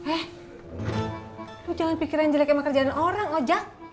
eh lo jangan pikir yang jelek emang kerjaan orang ojak